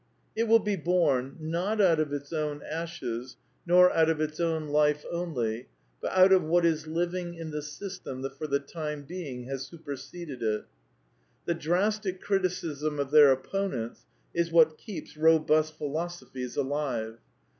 will be bom, not out of its own ashes, nor out of its own life only, but out of what is living in the system that for the time being has superseded it. The drastic criti cism of their opponents is what keeps robust philosophies alive.